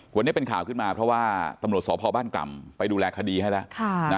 วันนี้เป็นข่าวขึ้นมาเพราะว่าตำรวจสพบ้านกล่ำไปดูแลคดีให้แล้ว